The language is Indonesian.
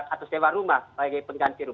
kalau di kantor ru